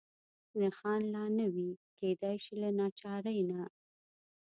نښان لا نه وي، کېدای شي له ناچارۍ نه.